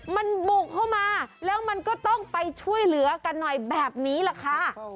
มันบุกเข้ามาแล้วมันก็ต้องไปช่วยเหลือกันหน่อยแบบนี้แหละค่ะ